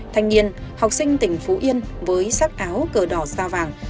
thành niên học sinh tỉnh phú yên với sắc áo cờ đỏ da vàng